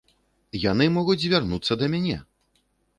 Яны могуць звярнуцца да мяне!